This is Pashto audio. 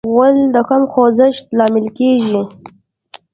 غول د کم خوځښت لامل کېږي.